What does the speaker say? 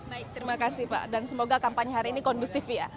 baik terima kasih pak dan semoga kampanye hari ini kondusif ya